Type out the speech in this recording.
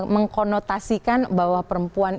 mengkonotasikan bahwa perempuan